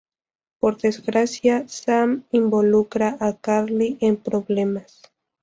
Por desgracia, Sam involucra a Carly en problemas.